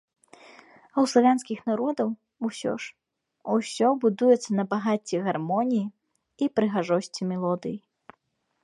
А ў славянскіх народаў, усё ж, усё будуецца на багацці гармоніі і прыгажосці мелодыі.